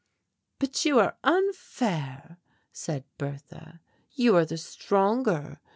"But you are unfair," said Bertha, "you are the stronger.